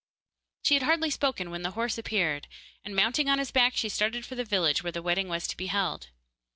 She had hardly spoken when the horse appeared, and mounting on his back she started for the village where the wedding was to be held.